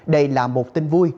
đây là một tin vui